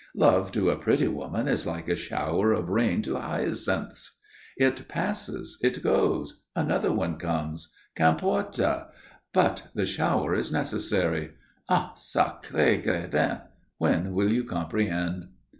Love to a pretty woman is like a shower of rain to hyacinths. It passes, it goes. Another one comes. Qu'importe? But the shower is necessary Ah! sacré gredin, when will you comprehend?"